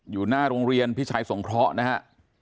อยู่หน้าโรงเรียนผู้ใช้สงเคราะห์นะครับ